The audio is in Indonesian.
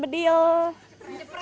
mau main apa